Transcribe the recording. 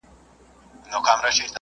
پښتانه په میوند کي وجنګېدل.